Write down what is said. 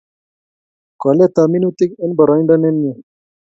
koletap minutik eng boroindo nemie